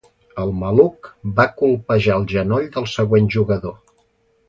El maluc va colpejar el genoll del següent jugador.